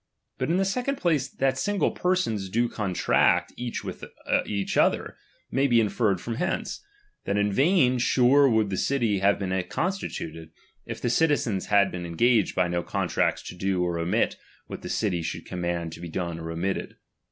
But in the second place, that single persons do contract each with other, may be inferred from hence ; that in vain sure would the city have been constituted, if the citizens had been engaged by no contracts to do or omit what the city shoidd command to be done or omitted.